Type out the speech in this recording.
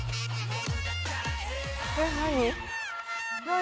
何？